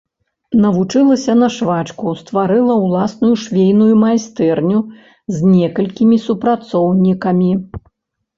Навучылася на швачку, стварыла ўласную швейную майстэрню з некалькімі супрацоўнікамі.